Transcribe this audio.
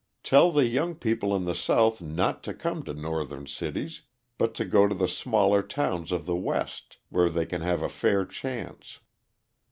Tell the young people in the South not to come to Northern cities, but to go to the smaller towns of the West, where they can have a fair chance.